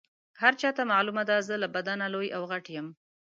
هر چاته معلومه ده زه له بدنه لوی او غټ یم.